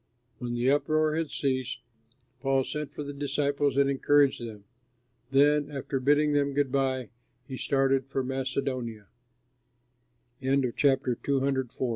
When the uproar had ceased, Paul sent for the disciples and encouraged them. Then, after bidding them good by, he started for Macedonia. PAUL WRITES TO THE CHRISTIANS AT R